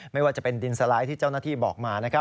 ไม่ว่าจะเป็นดินสไลด์ที่เจ้าหน้าที่บอกมานะครับ